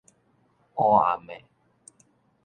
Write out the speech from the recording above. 烏暗的